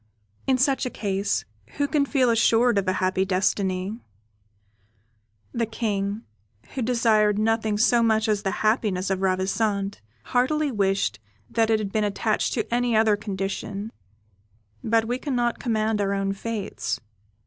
In such a case, who can feel assured of a happy destiny? The King, who desired nothing so much as the happiness of Ravissante, heartily wished that it had been attached to any other condition, but we cannot command our own fates.